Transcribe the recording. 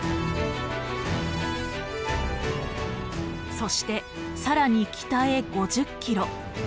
そして更に北へ５０キロ。